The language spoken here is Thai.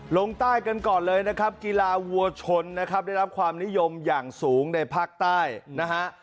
ลงใต้กันก่อนเลยนะครับกีฬาวัวชนนะครับได้รับความนิยมอย่างสูงในภาคใต้นะฮะ